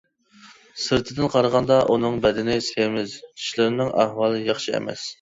سىرتىدىن قارىغاندا، ئۇنىڭ بەدىنى سېمىز، چىشلىرىنىڭ ئەھۋالى ياخشى ئەمەس.